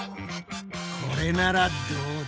これならどうだ？